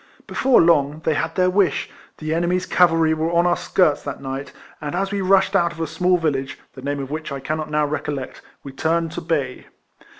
Before long, they had their wish : the enemy's cavalry were on our skirts that night; and as we rushed out of a small village, the name of which I cannot now recollect, we turned to bay.